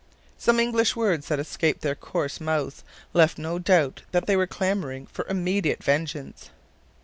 Some English words that escaped their coarse mouths left no doubt that they were clamoring for immediate vengeance.